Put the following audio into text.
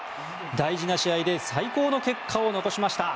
大事な試合で最高の結果を残しました。